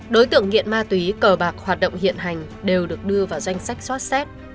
đối tượng nghiện ma túy cờ bạc hoạt động hiện hành đều được đưa vào danh sách xoát xét